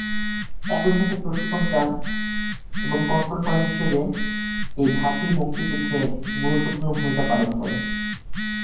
একই সাথে প্রশিক্ষণ ক্যাম্প এবং কন্ট্রোল পয়েন্ট হিসেবে এই ঘাঁটি মুক্তিযুদ্ধে গুরুত্বপূর্ণ ভূমিকা পালন করে।